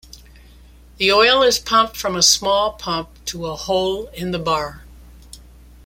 The oil is pumped from a small pump to a hole in the bar.